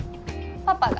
パパが。